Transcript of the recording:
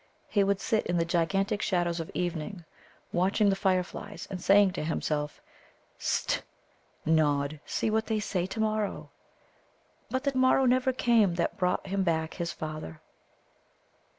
He would sit in the gigantic shadows of evening, watching the fireflies, and saying to himself: "Sst, Nod, see what they say to morrow!" But the morrow never came that brought him back his father.